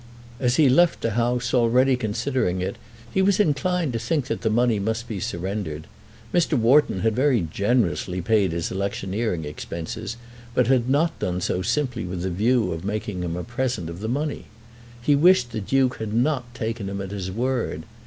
As he left the house, already considering it, he was inclined to think that the money must be surrendered. Mr. Wharton had very generously paid his electioneering expenses, but had not done so simply with the view of making him a present of money. He wished the Duke had not taken him at his word.